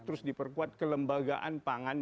terus diperkuat kelembagaan pangan